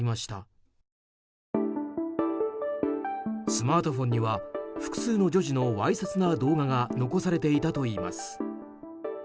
スマートフォンには複数の女児のわいせつな動画が残されていたといいます。